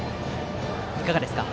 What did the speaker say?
いかがですか？